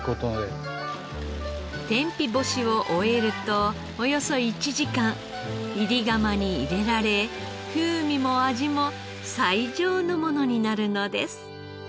天日干しを終えるとおよそ１時間煎り釜に入れられ風味も味も最上のものになるのです。